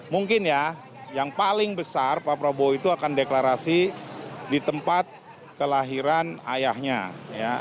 mungkin ya yang paling besar pak prabowo itu akan deklarasi di tempat kelahiran ayahnya ya